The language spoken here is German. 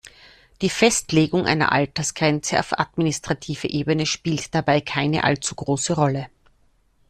Die Festlegung einer Altersgrenze auf administrativer Ebene spielt dabei keine allzu große Rolle.